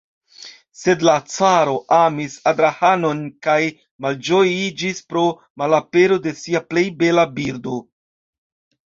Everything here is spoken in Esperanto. Sed la caro amis Adrahanon kaj malĝojiĝis pro malapero de sia plej bela birdo.